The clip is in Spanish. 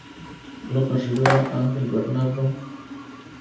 López Rivera Ángel Bernardo.